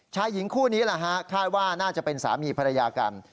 ชายหญิงคู่นี้แหละฮะคาดว่าน่าจะเป็นสามีภรรยากัน